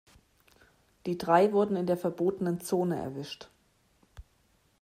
Die drei wurden in der verbotenen Zone erwischt.